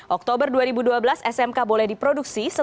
oktober dua ribu dua belas smk boleh diproduksi